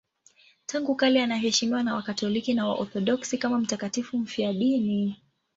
Tangu kale anaheshimiwa na Wakatoliki na Waorthodoksi kama mtakatifu mfiadini.